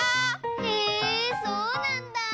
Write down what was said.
へえそうなんだ！